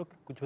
saya gak tahu